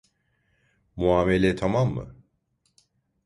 Muamele tamam mı?